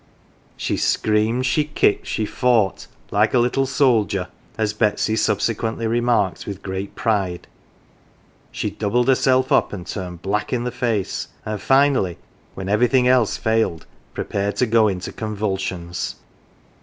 She screamed, she kicked, she fought " like a little soldier," as Betsy subsequently remarked with great pride, she doubled herself up and turned black in the face, and finally when everything else failed prepared to go into convulsions.